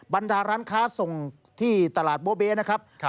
บรรดาร้านค้าส่งที่ตลาดโบเบนะครับ